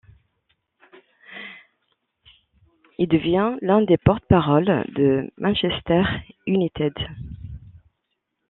Il devint l'un des portes-paroles de Manchester United.